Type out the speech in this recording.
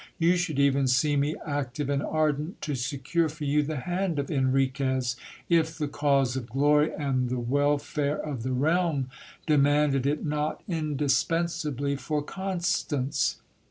You should even see me active and ardent to secure for you the hand of Enriquez, if the cause of glory and the wel fare of the realm demanded it not indispensably for Constance.